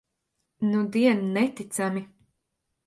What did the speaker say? Nudien neticami.